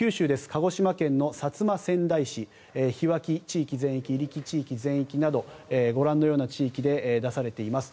鹿児島県の薩摩川内市樋脇地域全域、入来地域全域などご覧のような地域で出されています。